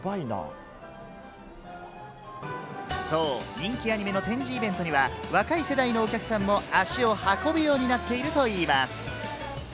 人気アニメの展示イベントには若い世代のお客さんも足を運ぶようになっているといいます。